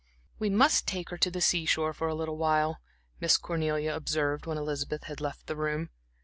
"We must take her to the sea shore for a little while," Miss Cornelia observed when Elizabeth had left the room.